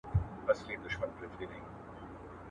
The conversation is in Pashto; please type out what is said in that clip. • په خوب کي هر څوک بېرېږي، څوک حال وايي، څوک ئې نه وايي.